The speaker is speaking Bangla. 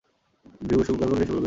গর্ভগৃহে শিবলিঙ্গ ছিল।